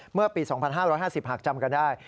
เมื่อปี๒๕๕๐หากจำกันได้